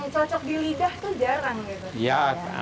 yang cocok di lidah itu jarang gitu